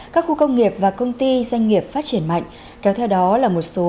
các khu công nghiệp và công ty doanh nghiệp phát triển mạnh kéo theo đó là một số